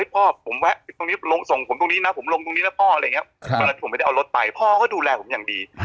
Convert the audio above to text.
ผมลงตรงแมจไปพ่อก็ดูแลผมอย่างดี